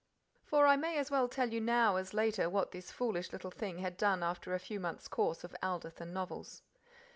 For I may as well tell you now as later what this foolish little thing had done after a few months' course of Aldith and novels.